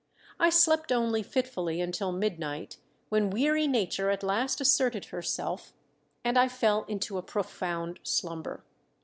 I slept only fitfully until midnight, when weary Nature at last asserted herself, and I fell into a profound slumber.